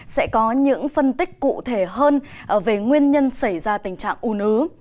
sẽ có những phân tích cụ thể hơn về nguyên nhân xảy ra tình trạng un ứ